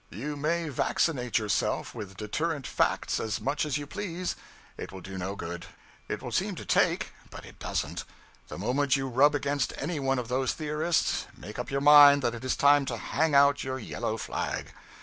You may vaccinate yourself with deterrent facts as much as you please it will do no good; it will seem to 'take,' but it doesn't; the moment you rub against any one of those theorists, make up your mind that it is time to hang out your yellow flag.